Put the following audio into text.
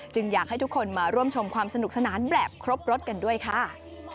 อยากให้ทุกคนมาร่วมชมความสนุกสนานแบบครบรถกันด้วยค่ะ